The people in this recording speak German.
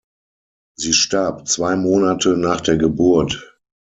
Sie starb zwei Monate nach der Geburt.